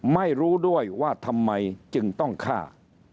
ไม่รู้ด้วยว่าทำไมจึงต้องฆ่า